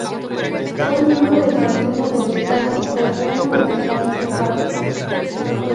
Fue miembro del Consejo de Estado del Reino de los Países Bajos.